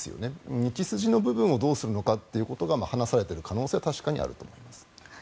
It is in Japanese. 道筋の部分をどうするのかというのが話されているのは確かにあると思います。